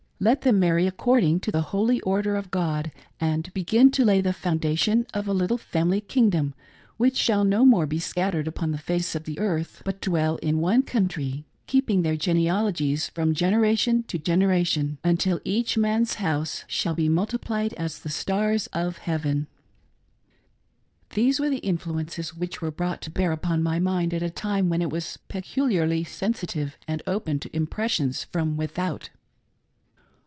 Let them marry according to the holy order of God, and begin to lay the foundation of a little family kingdom which shall no more be scattered upon the face of the earth, but dwell in one country, keeping their genealogies from gen eration to generation, until each man's house shall be multiplied as the stars of heaven." These were the influences which were brought to beat upon my mind at a time when it was peculiarly sensitive and open to impressions from without.